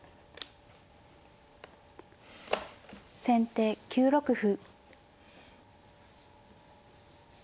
先手９六歩。